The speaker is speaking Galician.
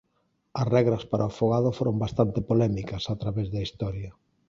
As regras para o afogado foron bastante polémicas a través da historia.